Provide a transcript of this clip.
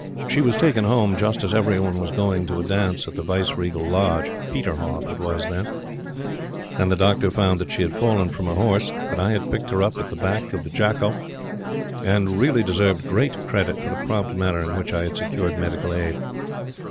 She was taken home just as every one was going to a dance at Viceregal Lodge "Peterhoff" it was then and the doctor found that she had fallen from her horse, that I had picked her up at the back of Jakko, and really deserved great credit for the prompt manner in which I had secured medical aid.